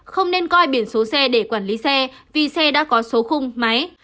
không nên coi biển số xe để quản lý xe vì xe đã có số khung máy